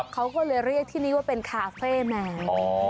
เขาก็เลยเรียกที่นี่ว่าเป็นคาเฟ่แมว